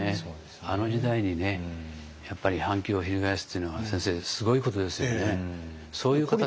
あの時代にやっぱり反旗を翻すっていうのは先生すごいことですよね。